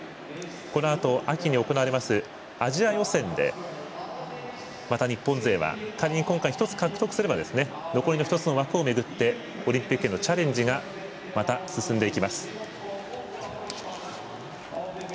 このあと、秋に行われますアジア予選でまた日本勢は仮に今回、１つ獲得すれば残りの１つの枠を巡ってオリンピックへのチャレンジがまた進んでいきます。